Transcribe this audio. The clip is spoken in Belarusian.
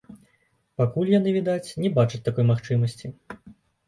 Пакуль, яны, відаць, не бачаць такой магчымасці.